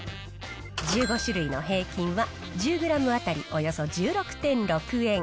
１５種類の平均は１０グラム当たりおよそ１６．６円。